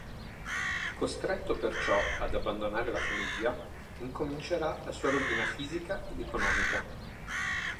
Costretto perciò ad abbandonare la famiglia, incomincerà la sua rovina fisica ed economica.